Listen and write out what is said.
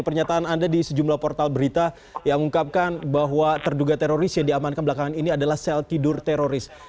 pernyataan anda di sejumlah portal berita yang mengungkapkan bahwa terduga teroris yang diamankan belakangan ini adalah sel tidur teroris